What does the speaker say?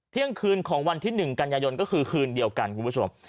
เที่ยงคืนของวันที่๑กันยายนก็คือคืนเดียวกันคุณผู้ชม